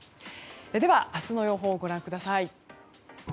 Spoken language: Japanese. では、明日の予報をご覧ください。